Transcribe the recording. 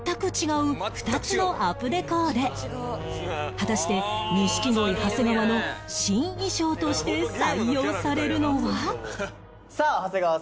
果たして錦鯉長谷川の新衣装として採用されるのは？